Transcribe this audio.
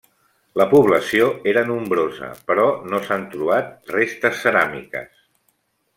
La població era nombrosa, però no s'han trobat restes ceràmiques.